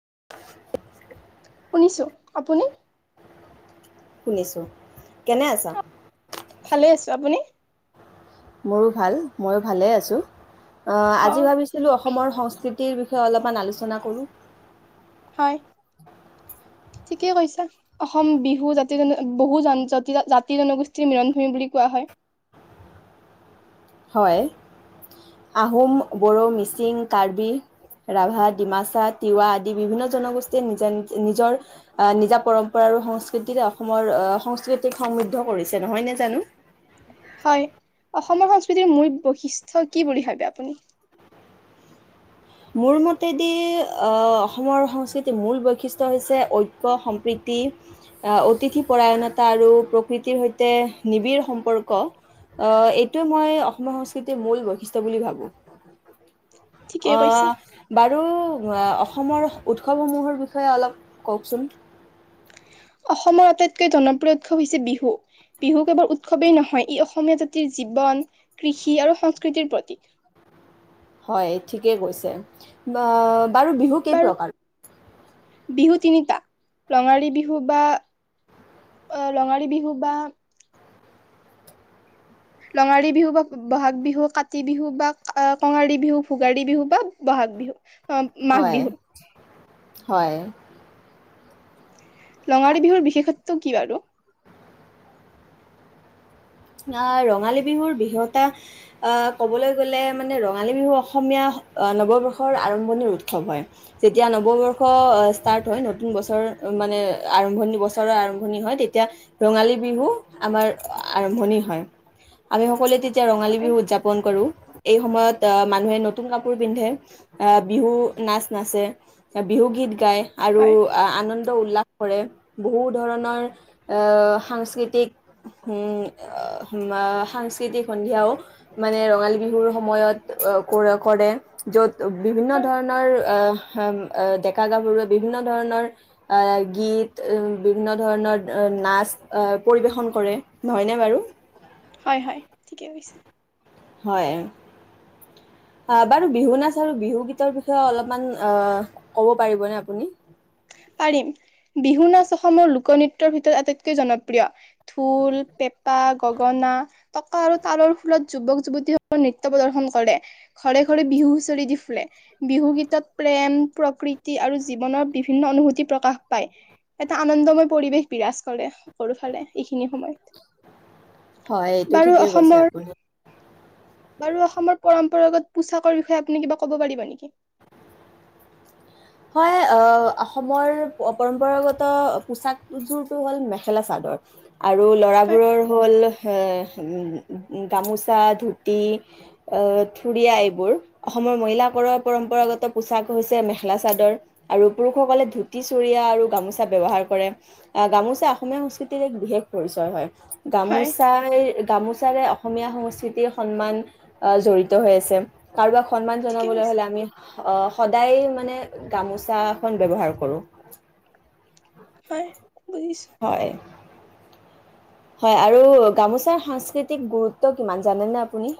তুঁহো শুনিছোঁ আপুনি শুনিছো কেনে আছা? ভালে আছো আপুনি? মোৰো ভাল ময়ো ভালে আছোঁ। অ হ আজি ভাবিছিলো অসমৰ সংস্কৃতি ৰ বিষয়ে অলপমান আলোচনা কৰোঁ হয় ঠিকে কৈছা অসম বিহু জাতি জন বহু জা জাতি জনগোষ্ঠীৰ মিলনভূমি বুলি কোৱা হয়। হয় আহোম, বড়ো, মিচিং, কাৰ্বি, ৰাভা, ডিমাচা, তিৱা আদি বিভিন্ন জনগোষ্ঠীয়ে নিজা নিজৰ আহ নিজা পৰম্পৰা আৰু সংস্কৃতিৰে অসমৰ আহ সংস্কৃতিক সমৃদ্ধ কৰিছে নহয় ন জানো, হয় অসমৰ সংস্কৃতিৰ মূল বৈশিষ্ট্য কি বুলি ভাবে আপুনি? মোৰ মতেদি অসমৰ সংস্কৃতিৰ মূল বৈশিষ্ট্য হৈছে ঐক্য সম্প্ৰীতি অতিথি পৰাৰায়ণতা আৰু প্ৰকৃতিৰ সৈতে নিবিড় সম্পৰ্ক এইটোৱে মই অসমৰ সংস্কৃতিৰ মূল বৈশিষ্ট্ বুলি ভাবোঁ। ঠিকেই অ কৈছে বাৰু মুৱা অসমৰ উৎসৱসমূহৰ বিষয়ে অলপ কওকচোন, অসমৰ আটাইতকৈ জনপ্ৰিয় উৎসৱ হৈছে বিহু, বিহু কেৱল উৎসৱেই নহয় ই অসমীয়া জাতিৰ জীৱন, কৃষি আৰু সংস্কৃতিৰ প্ৰতীক। হয় ঠিকেই কৈছে বা বাৰু বিহু কেই বাৰু প্ৰকাৰ? বিহু তিনিটা ৰঙালী বিহু বা আহ ৰঙালী বিহু বা ৰঙালী বিহু বা বহাগ বিহু, কাতি বিহু বা কঙালী বিহু, ভোগালী বিহু বা মাঘ বিহু। অ মাঘ হয়, বিহু হয় আ ৰঙালী বিহুৰ বিশেষত্ব কি বাৰু? আহ ৰঙালী বিহুৰ বিষতা আহ ক'বলৈ গ'লে মানে ৰঙালী বিহু অসমীয়া নৱবৰ্ষৰ আৰম্ভণিৰ উৎসৱ হয় যেতিয়া নৱবৰ্ষ ষ্টাৰ্ট হয় নতুন বছৰ মানে আৰম্ভণি বছৰৰ আৰম্ভণি হয় তেতিয়া ৰঙালী বিহু আমাৰ আ আৰম্ভণি হয় আমি সকলোৱে তে এতিয়া ৰঙালী হয় বিহু উদযাপন কৰোঁ এই সময়ত আহ মানুহে নতুন কাপোৰ পিন্ধে আহ বিহু নাচ নাচে বিহু গীত গায়, আৰু হয় আনন্দ উল্লাস কৰে বহু ধৰণৰ আ সাংস্কৃতিক হম সাংস্কৃতিক সন্ধিয়াও মানে ৰঙালী বিহুৰ সময়ত কৰে য'ত বিভিন্ন হয় ধৰণৰ অহ ডেকা গাভৰুৱে বিভিন্ন ধৰণৰ আহ গীত উ বিভিন্ন ধৰণৰ নাচ আহ পৰিবেশন কৰে নহয়নে? বাৰু হয় হয় ঠিকে কৈছে হয় অ বাৰু বিহু নাচ আৰু বিহু গীতৰ বিষয়ে অলপমান আহ ক'ব পাৰিবনে আপুনি? পাৰিম -বিহু নাচ অসমৰ লোকনৃত্যৰ ভিতৰত আটাইতকৈ জনপ্ৰিয়। ধোল, পেঁপা, গ গগনা, টকা আৰু তালৰ ফুলত যুৱক যুৱতী স নৃত্য প্ৰদৰ্শন কৰে ঘৰে ঘৰে বিহু হুঁচৰি দি ফুৰে বিহু গীতত প্ৰেম প্ৰকৃতি আৰু জীৱনৰ বি বিভিন্ন অনুভূতি প্ৰকাশ পায় এটা আনন্দময় পৰিৱেশ বিৰাজ কৰে সকলো ফালে, এইখিনি সময়ত। হয়, এইটো বাৰু ঠিকেই কৈছে অসমৰ আপুনি। বাৰু অসমৰ পৰম্পৰাগত পোছাকৰ বিষয়ে আপুনি কিবা ক'ব পাৰিব নেকি? হয় অসমৰ পৰম্পৰাগত পোচাকযোৰটো হ'ল মেখেলা চাদৰ। আৰু হয়, ল'ৰাবোৰৰ হ'ল গামোচা, ধুতি, থুুৰীয়া এইবোৰ অসমৰ মহিলাকৰ পৰম্পৰাগত পোছাক হৈছে। মখেলা চাদৰ আৰু পুৰুষসকলে ধুতি, চুৰিয়া আৰু গামোচা ব্যৱহাৰ কৰে। গামোচা অসমীয়া সংস্কৃতিৰ এক বিশেষ পৰিচয় হয়। হয় গামোচাই গামোচাৰে অসমীয়া সংস্কৃতিৰ সন্মান জড়িত হৈ আছে কাৰোবাক। সন্মান ঠিকেই জনাবলৈ কৈছে হ'লে আমি সদায় মানে। গামোচা এখন ব্যৱহাৰ কৰো হয় বুজ। হয় হয় আৰু গামোচাৰ সাংস্কৃতিক গুৰুত্ব কিমান জানেনে আপুনি?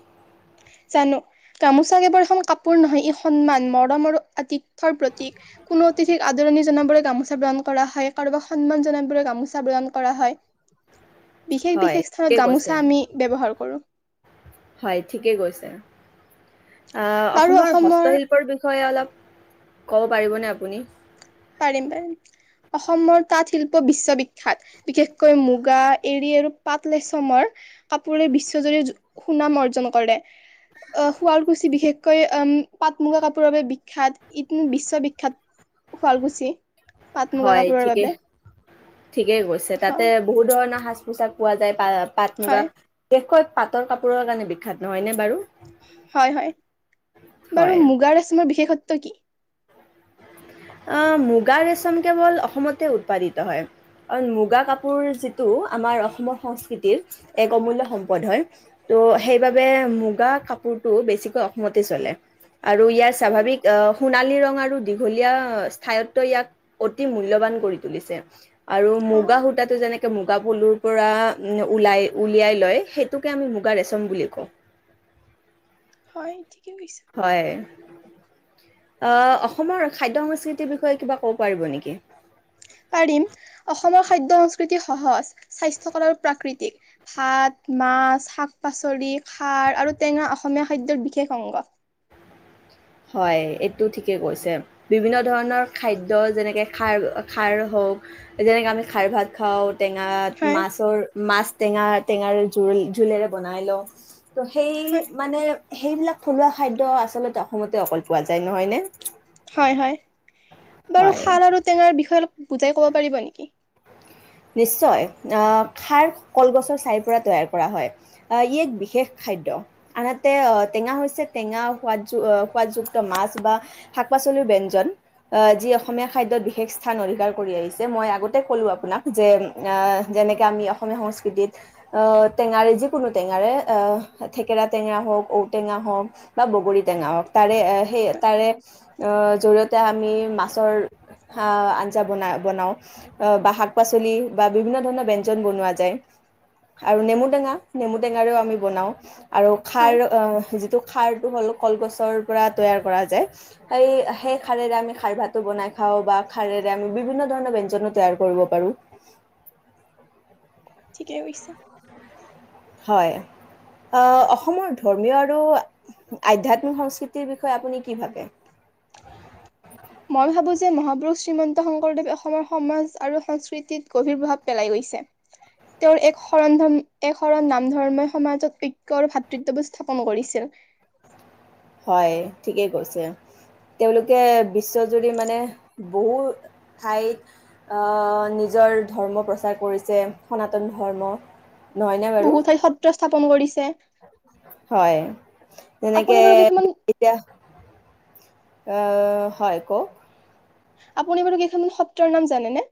জানো গামোচা কেৱল এখন কাপোৰ নহয় ই সন্মান, মৰম আৰু আতিথ্যৰ প্ৰতিক। কোনো অতিথিক আদৰণি জনাবলৈ গামোচা প্ৰদাণ কৰা হয় কাৰোবাক সন্মান জনাবলৈ গামোচা প্ৰদাণ কৰা হয়। বিশেষ হয় বিশেষ স্থানত ঠিকেই কৈছে গামোচা আমি ব্যৱহাৰ কৰোঁ হয় ঠিকেই কৈছে। অসমৰ হস্তশিল্পৰ বিষয়ে অলপ ক'ব পাৰিবনে আপুনি পাৰিম পাৰিম অসমৰ তাঁত শিল্প বিশ্ববিখ্যাত। বিশেষকৈ মুগা এ়ৰি আৰু পাট ৰেছমৰ কাপোৰে বিশ্বজুৰি সুনাম অৰ্জন কৰে আহ শুৱালকুছি বিশেষকৈ আহ পাট মুগা কাপোৰৰ বাবে বিখ্যাত ই বিশ্ববিখ্যাত হোৱালকুচি হয় ঠিকেই ঠিকেই কৈছে অ তাতে বহুত ধৰণৰ তাতপোছাক পোৱা যায় বা পাট মুগা হয়, দেুৱ পাটৰ কাপোৰৰ কাৰণে বিখ্যাত নহয়নে বাৰু হয় হয় বাৰু হয় মুগাৰ আচ মৰ বিশেষত ক কি আহ মুগা ৰেচম কেৱল অসমতে উৎপাদিত হয় কাৰণ মুগা কাপোৰ যিটো আমাৰ অসমৰ সংস্কৃতিৰ এক অমূল্য সম্পদ হয় ত' সেইবাবে মুগা কাপোৰটো বেছিকৈ অসমতে চলে আৰু ইয়াৰ হয়, স্বাভাৱিক আহ সোণালী ৰং আৰু দীঘলীয়া স্থায়ত্ব ইয়াক অতি মূল্যবান কৰি তুলিছে আৰু মুগা অ', সূতাটো যেনেকে মুগা পলু ওলাই উলিয়াই লয় সেইটোকে আমি মুগা ৰেচম বুলি কওঁ হয় ঠিকে কৈছে। হয় আহ অসমৰ খাদ্য সংস্কৃতিৰ বিষয়ে কিবা ক'ব পাৰিব নেকি? পাৰিম অসমৰ খাদ্য সংস্কৃতি সহজ স্বাস্থ্যকৰ আৰু প্ৰাকৃতিক ভাত মাছ শাক পাচলি খাৰ আৰু টেঙা অসমীয়া খাদ্যৰ বিশেষ অংগ হয় এইটো ঠিকেই কৈছে বিভিন্ন ধৰণৰ খাদ্য যেনেকে খাৰ খাৰ হওক যেনেকে আমি খাৰ ভাত খাওঁ টেঙা হয়, মাছৰ মাছ টেঙা টেঙাৰ জোল জোলেৰে বনাই লওঁ তো সেই হয়, মানে সেইবিলাক থলুৱা খাদ্য আচলতে অসমতে অকল পোৱা যায় নহয়নে? হয় হয় বাৰু হয়। খাৰ আৰু টেঙাৰ বিষয়ে অলপ বুজাই কব পাৰিব নেকি? নিশ্চয় আহ খাৰ কলগছৰ চাইৰ পৰা তৈয়াৰ কৰা হয় আহ ই এক বিশেষ খাদ্য আনহাতে আহ টেঙা হৈছে টেঙা সাদ সোৱাদযুক্ত মাছ বা শাক পাচলিৰ ব্যঞ্জন আহ যি অসমীয়া খাদ্যত বিশেষ স্থান অধিকাৰ কৰি আহিছে মই আগতে কলো আপোনাক। যে যেনেকৈ আমি অসমীয়া সংস্কৃতিত টেঙাৰে যিকোনো টেঙাৰে থেকেৰা টেঙা হওক ঔটেঙা হওক বা বগৰী টেঙা হওক তাৰে সেই তাৰে জৰিয়তে আমি মাছৰ আঞ্জা বনা বনাওঁ বা শাক শাক পাচলি বা বিভিন্ন ধৰণৰ ব্যঞ্জন বনোৱা যায় আৰু নেমুটেঙা নেমু টেঙাৰেও আমি বনাও। আৰু খাৰ হয়, যিটো খাৰটো হল কলগছৰ পৰা তৈয়াৰ কৰা যায় সেই সেই খাৰৰে আমি খাৰ ভাতো বনাই খাওঁ বা খাৰেৰে আমি বিভিন্ন ধৰণৰ ব্যঞ্জন তৈয়াৰ কৰিব পাৰোঁ ঠিকে কৈছ। হয় অসমৰ ধৰ্মীয় আৰু আধ্যাত্মিক সংস্কৃতিৰ বিষয়ে আপুনি কি ভাবে। মই ভাবো যে মহাপুৰুষ শ্ৰীমন্ত শংকৰদেৱে অসমৰ সমাজ আৰু সংস্কৃতিত গভীৰ প্ৰভাৱ পেলাই গৈছে তেওঁৰ এক শৰণ ধৰ্ম এক শৰণ নামধৰ্মই সমাজত ঐক্যভাতৃত্ববোৰ স্থাপন কৰিছে। হয় ঠিকেই কৈছে তেওঁলোকে বিশ্বজুৰি মানে বহু ঠাইত নিজৰ ধৰ্ম প্ৰচাৰ কৰিছে সনাতন ধৰ্ম নহয়নে বাৰু? বহু ঠাইত সত্ৰ স্থাপন কৰিছে হয় আপুনি তেনেকে বাৰু কেইখনমান এতিয়া হয় কওঁক আপুনি বাৰু কেইখনমান সত্ৰৰ নাম জানেনে?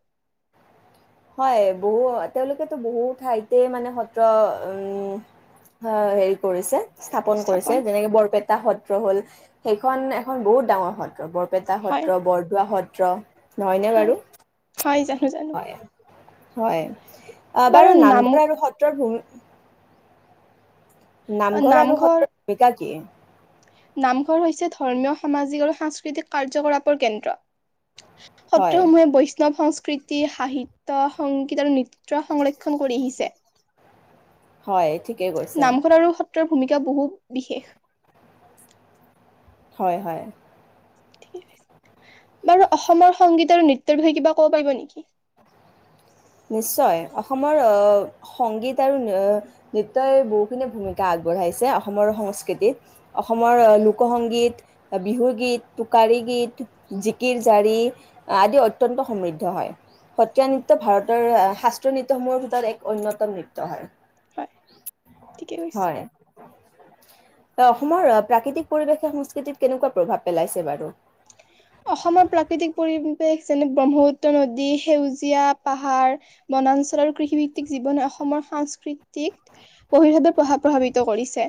হয় বহু তেওঁলোকেতো বহু ঠাইতে মানে সত্ৰ হেৰি কৰিছে। স্থাপন কৰিছে যেনেকে বৰপেটা এটা সত্ৰ হ'ল সেইখন এখন বহুত ডাঙৰ সত্ৰ বৰ বৰপেটা হয় সত্ৰ বৰদোৱা সত্ৰ সত্ৰ নহয়নে বাৰু হয় হয় জানো জানো হয়। হয় অ বাৰু নামঘৰ আৰু সত্ৰৰ ভূমি নামঘৰ আৰু সত্ৰৰ ভূমিকা কি নামঘৰ হৈছে ধৰ্মীয় সামাজিক আৰু সাংস্কৃতিক কাৰ্যকলাপৰ কেন্দ্ৰ হয়, সত্ৰসমূহে বৈষ্ণৱ সং কৃতি সাহিত্য সংগীত আৰু নৃত্য সত্ৰ সংৰক্ষণ কৰি আহিছে। হয় ঠিকেই কৈছে নামঘৰ আৰু সত্ৰৰ ভূমিকা বহু বিশেষ হয় হয় বাৰু অসমৰ সংগীত আৰু নৃত্যৰ বিষয়ে কিবা ক'ব পাৰিব নেকি নিশ্চয় অসমৰ সংগীত আৰু নৃত্যই বহুখিনি ভূমিকা আগবঢ়াইছে অসমৰ সংস্কৃতিত অসমৰ লোকসংগীত বিহুগীত টোকাৰী গীত জিকিৰ জাৰি আদি অত্যন্ত সমৃদ্ধ হয় সত্ৰীয়া নৃত্য ভাৰত ৰ শাস্ত্ৰীয় নৃত্যসমূহৰ ভিতৰত এক অন্যতম নৃত্য হয় হয় ঠিকে কৈছ হয়। অসমৰ প্ৰাকৃতিক পৰিৱেশে সংস্কৃতিত কেনেকুৱা প্ৰভাৱ পেলাইছে বাৰু অসমৰ প্ৰাকৃতিক পৰিৱেশ যেনে ব্ৰহ্মপুত্ৰ নদী সেউজীয়া পাহাৰ বনাঞ্চল আৰু কৃষিভিত্তিক জীৱনে অসমৰ সাংস্কৃতিক বহলভাৱে প্ৰভাৱ প্ৰভাৱিত কৰিছে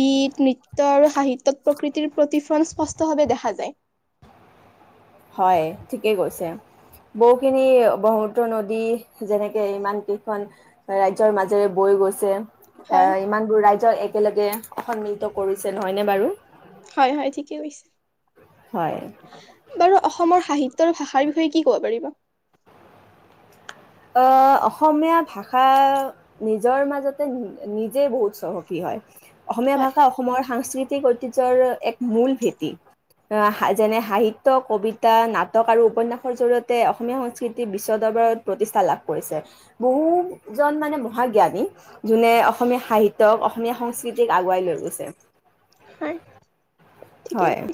গীত নৃত্য আৰু সাহিত্যত প্ৰকৃতিৰ প্ৰতিফলন স্পষ্টভাৱে দেখা যায় হয় ঠিকেই কৈছে বহুখিনি ব্ৰহ্মপুত্ৰ নদী যেনেকে ইমান কেইখন ৰাজ্যৰ মাজেৰে বৈ গৈছে অ হয় ইমান দোৰ ৰাইজৰ এক একেলগে সন্মিলিত কৰিছে নহয়নে বাৰু হয় হয় ঠিকেই কৈছে হয়। অসমৰ সাহিত্য আৰু ভাষাৰ বিষয়ে কি ক'ব পাৰিবা অসমীয়া ভাষা নিজৰ মাজতে নিজেই বহুত চহকী হয় অসমীয়া হয় ভাষা অসমৰ সাংস্কৃতি ঐতিহ্যৰ এক মূল ভেটি যেনে সাহিত্য কবিতা নাটক আৰু উপন্যাসৰ জৰিয়তে অসমীয়া সংস্কৃতি বিশ্ব দৰবত প্ৰতিষ্ঠা লাভ কৰিছে বহুজন মানে মহাজ্ঞানী যোনে অসমীয়া সাহিত্যক অসমীয়া সংস্কৃতিক আগুৱাই লৈ গৈছে হয় ঠিকে হয়। [inaudible]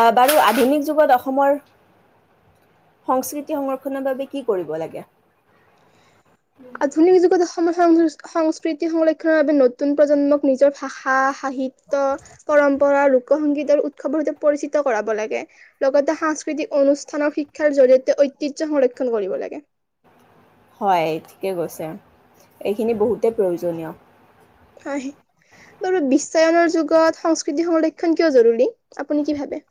অ বাৰু আধুনিক যুগত অসমৰ সংস্কৃতি সংৰক্ষণৰ বাবে কি কৰিব লাগে। [inaudible] আধুনিক যুগত অসমৰ সংস্কৃতি। [inaudible] সংস্কৃতি সংৰক্ষণৰ বাবে নতুন প্ৰজন্মক নিজৰ ভাষা, সাহিত্য পৰম্পৰা লোকসংগীত আৰু উৎসৱৰ সৈতে পৰিচিত কৰাব লাগে। লগতে সাংস্কৃতিক অনুষ্ঠানৰ শিক্ষাৰ জডৰিয়তে ঐতিহ্য সংৰক্ষণ কৰিব লাগে। [inaudible] হয় ঠিকে কৈছে, এইখিনি বহুতেই প্ৰয়োজনীয়। [inaudible] হয় বাৰু বিশ্বায়নৰ যুগত সংস্কৃতি সংৰক্ষণ কিয়, জৰুৰী আপুনি কি ভাবে। [inaudible]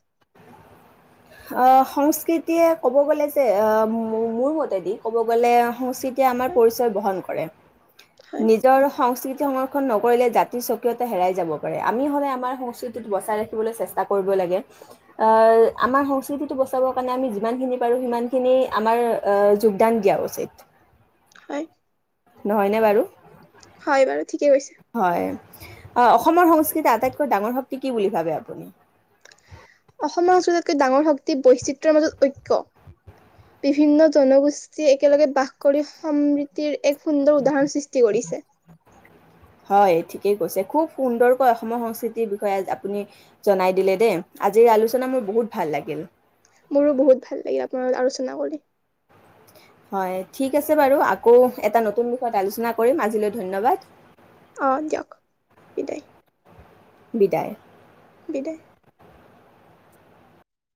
অ সংস্কৃতিয়ে ক'ব গ'লে যে, অ মোৰ মতেদি ক'ব গ'লে সংস্কৃতি। [inaudible] আমাৰ হয় পৰিচয় বহন কৰে, হয় নিজৰ সংস্কৃতি সংৰক্ষ্যণ। [inaudible] সংৰক্ষ্যণ নকৰিলে জাতি স্বকীয়তা হেৰাই যাব পাৰে। আমি হলে আমাৰ সংস্কৃতিত বচাই ৰাখিবলৈ চেষ্টা কৰিব লাগে আঁ। [inaudible] আমাৰ সংস্কৃতিটো বচাবৰ কাৰণে, আমি যিমানখিনি পাৰোঁ সিমানখিনি আমাৰ যোগদান দিয়া উচিত। [inaudible] হয়। [inaudible] নহয়নে বাৰু। [inaudible] হয় বাৰু। [inaudible] হয়। [inaudible] অ অসমৰ সংস্কৃতিৰ, আটাইতকৈ ডাঙৰ শক্তি কি বুলি ভাবে আপুনি। [inaudible] অসমৰ সংস্কৃতিৰ আটাইতকৈ ডাঙৰ শক্তি বৈচিত্ৰৰ মাজত ঐক্য। বিভিন্ন জনগোষ্ঠীয়ে একেলগে বাস কৰি সমৃদ্ধিৰ এক। [inaudible] সুন্দৰ উদাহৰণ সৃষ্টি কৰিছে। [inaudible] কি কৈছে খুব সুন্দৰকৈ অসমৰ সংস্কৃতিৰ বিষয়ে আপুনি জনাই দিলে দেই, আজিৰ আলোচনা মোৰ বহুত ভাল লাগিল। [inaudible] মোৰো বহুত ভাল লাগিল। আপোনাৰ লগত আলোচনা কৰি। [inaudible] হয়, ঠিক আছে বাৰু আকৌ এটা নতুন বিষয়ত আলোচনা কৰিম আজিলৈ ধন্যবাদ। [inaudible] অ দিয়ক বিদায়। বিদায়। দেহ।